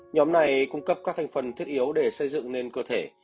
nhóm này cung cấp các thành phần thiết yếu để xây dựng nên cơ thể